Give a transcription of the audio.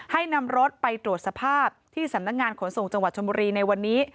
ให้นำรถไปตรวจสภาพที่สำนักงานขนส่งจังหวัดชนบุรีในวันนี้